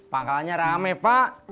pangkalannya rame pak